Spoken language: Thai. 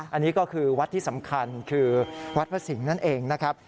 อันนี้ก็คือวัดที่สำคัญคือวัดพระสิงห์นั่นเองนะครับ